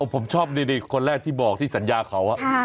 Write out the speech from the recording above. ผมชอบนี่คนแรกที่บอกที่สัญญาเขา